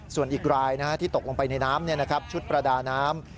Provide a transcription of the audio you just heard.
ส่วนอีกรายที่ตกลงไปในน้ำชุดประดาน้ำ